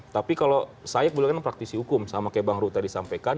tapi kalau saya berpraktisi hukum sama kayak bang ruta disampaikan